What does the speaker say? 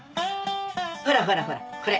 ほらほらほらこれ。